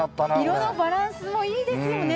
色のバランスもいいですよね。